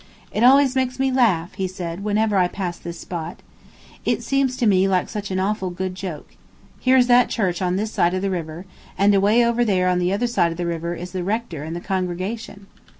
"It always makes me laugh," he said, "whenever I pass this spot. It seems to me like such an awful good joke. Here's that church on this side of the river, and away over there on the other side of the river is the rector and the congregation."